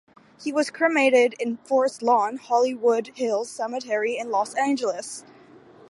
He was cremated at the Forest Lawn, Hollywood Hills Cemetery in Los Angeles.